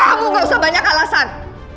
aku gak usah banyak alasan